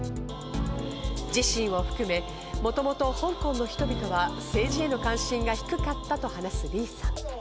自身を含め、もともと香港の人々は政治への関心が低かったと話すリさん。